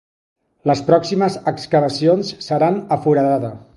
Les pròximes excavacions seran a Foradada.